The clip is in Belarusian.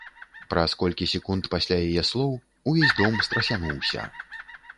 Праз колькі секунд пасля яе слоў увесь дом страсянуўся.